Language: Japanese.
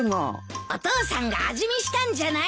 お父さんが味見したんじゃない？